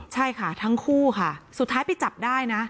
ใช่ค่ะทั้งคู่ค่ะสุดท้ายไปจับได้นะ